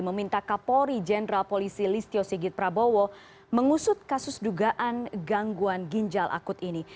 meminta kapolri jenderal polisi listio sigit prabowo mengusut kasus dugaan gangguan ginjal akut ini